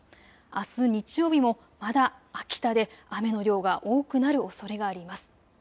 あす日曜日もまだ秋田で雨の量が多くなるおそれがあります。